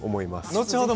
後ほど